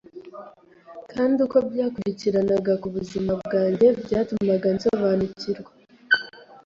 Kandi uko byakurikiranaga ku buzima bwanjye byatumaga nsobanukirwa